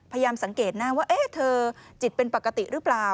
พยายามสังเกตหน้าว่าเธอจิตเป็นปกติหรือเปล่า